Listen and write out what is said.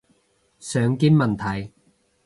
常見問題